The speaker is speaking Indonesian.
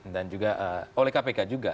dan juga oleh kpk juga